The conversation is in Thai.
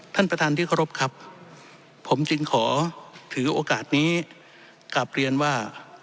ท่านประธานที่เคารพครับผมจึงขอถือโอกาสนี้กลับเรียนว่า